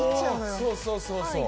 そうそうそうそう。